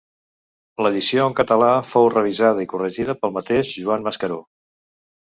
L'edició en català fou revisada i corregida pel mateix Joan Mascaró.